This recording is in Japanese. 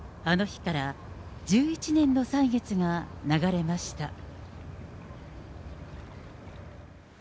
あの日から１１年の歳月が流れました。